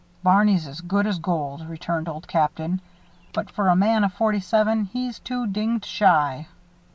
"Barney's as good as gold," returned Old Captain. "But, for a man of forty seven, he's too dinged shy.